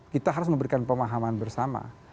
kita harus memberikan pemahaman bersama